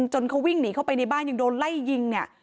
จนเขาวิ่งหนีเข้าไปในบ้านยังโดนไล่ยิงเนี่ย